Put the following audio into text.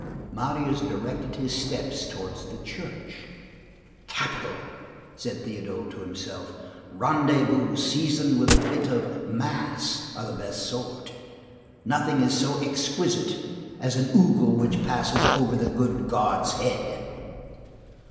Marius directed his steps towards the church. "Capital," said Théodule to himself. "Rendezvous seasoned with a bit of mass are the best sort. Nothing is so exquisite as an ogle which passes over the good God's head."